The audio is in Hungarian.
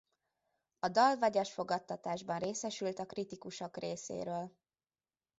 A dal vegyes fogadtatásban részesült a kritikusok részéről.